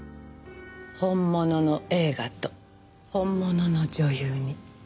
本物の映画と本物の女優に。